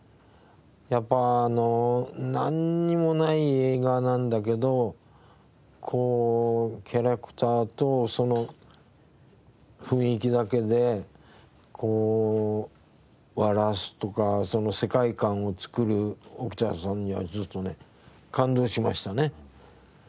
やっぱあのなんにもない映画なんだけどキャラクターとその雰囲気だけで笑わすとかその世界観を作る沖田さんにはずっとね感動しましたね。